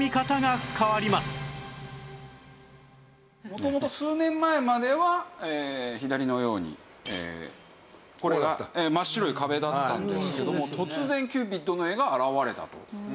この元々数年前までは左のようにこれが真っ白い壁だったんですけども突然キューピッドの絵が現れたと。